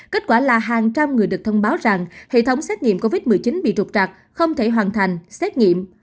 kết quả là hàng trăm người được thông báo rằng hệ thống xét nghiệm covid một mươi chín bị trục trạc không thể hoàn thành xét nghiệm